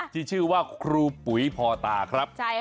ที่ชื่อว่าครูปุ๋ยพอตาครับ